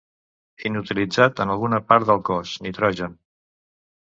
Inutilitzat en alguna part del cos. Nitrogen.